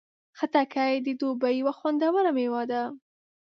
خټکی د دوبی یو خوندور میوه ده.